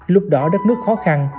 lúc đó đất nước khó khăn